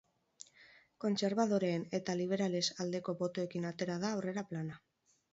Kontserbadoreen eta liberales aldeko botoekin atera da aurrera plana.